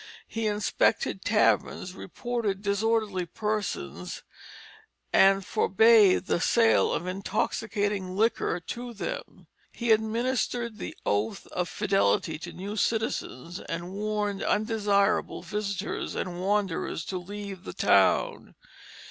He inspected taverns, reported disorderly persons, and forbade the sale of intoxicating liquor to them. He administered the "oath of fidelity" to new citizens, and warned undesirable visitors and wanderers to leave the town.